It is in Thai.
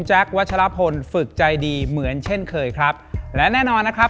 วัชลพลฝึกใจดีเหมือนเช่นเคยครับและแน่นอนนะครับ